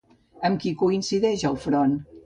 Amb qui coincideix al front?